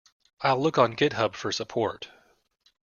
I'll look on Github for support.